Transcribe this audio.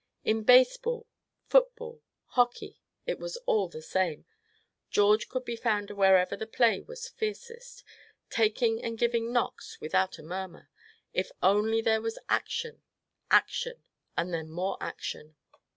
In baseball, football, hockey, it was all the same; George could be found wherever the play was fiercest, taking and giving knocks without a murmur, if only there was action, action, and then more action.